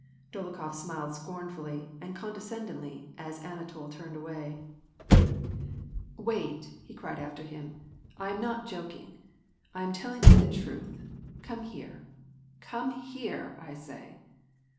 Dolokhof smiled scoruf ully and condescendingly as Anatol turned away. WAR AND PEACE. 869 "Wait," lie cried after him, "I am not joking, I am telling you the truth ; come here, come here, I say